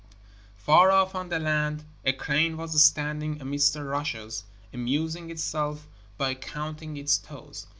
Far off on the land a crane was standing amidst the rushes, amusing itself by counting its toes.